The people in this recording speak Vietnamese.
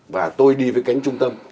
và tôi đi với cánh trung tâm